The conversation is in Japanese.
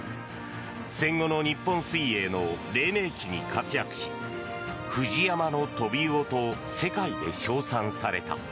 戦後の日本水泳の黎明期に活躍しフジヤマのトビウオと世界で称賛された。